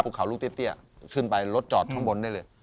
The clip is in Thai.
เขาลูกเตี้ยขึ้นไปรถจอดข้างบนได้เลย